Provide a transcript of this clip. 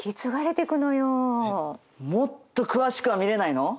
もっと詳しくは見れないの？